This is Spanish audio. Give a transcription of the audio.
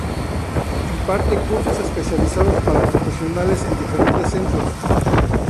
Imparte Cursos Especializados para Profesionales en diferentes centros